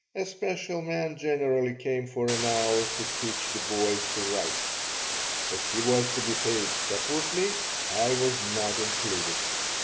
A special man generally came for an hour to teach the boys to write. As he was to be paid separately, I was not included.